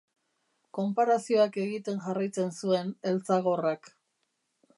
Konparazioak egiten jarraitzen zuen eltzagorrak.